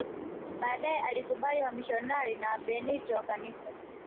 Baadae alikubali wamisionari na Wabenedikto wa kanisa